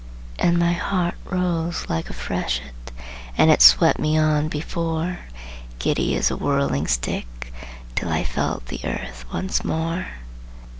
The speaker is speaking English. And my heart rose like a freshet, And it swept me on before, Giddy as a whirling stick, Till I felt the earth once more.